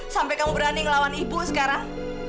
sampai kamu berani ngelawan ibu sekarang